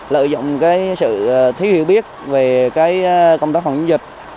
lợi dụng sự thiếu hiểu biết về công tác phòng chống dịch